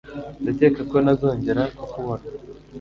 Ndakeka ko ntazongera kukubona.